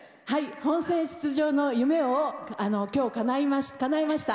本選出場の夢を今日かなえました。